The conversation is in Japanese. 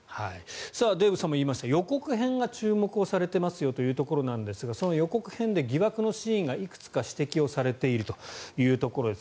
デーブさんも言いました予告編が注目をされていますということですがその予告編で疑惑のシーンがいくつか指摘をされているというところです。